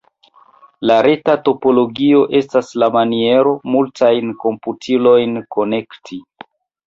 La reta topologio estas la maniero, multajn komputilojn konekti.